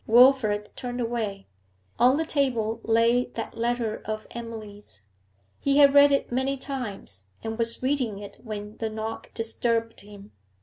Wilfrid turned away. On the table lay that letter of Emily's; he had read it many times, and was reading it when the knock disturbed him.